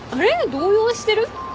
動揺してる？